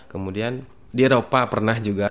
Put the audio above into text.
kemudian di eropa pernah juga